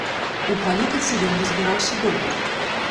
У палітыцы ён разбіраўся добра.